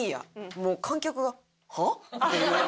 もう観客が「は？」っていう。